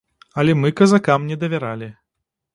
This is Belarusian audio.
Але мы казакам не давяралі.